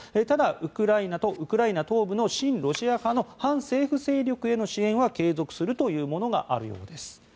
ただ、ウクライナとウクライナ東部の親ロシア派の反政府勢力への支援は継続するというものがあるようです。